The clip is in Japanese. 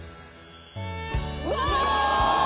うわ！